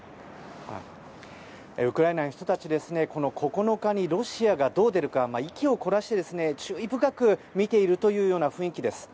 ウクライナの人たちは９日にロシアがどう出るか息を凝らして注意深く見ているという雰囲気です。